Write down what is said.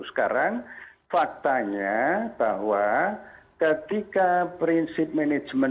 sekarang faktanya bahwa ketika prinsip manajemen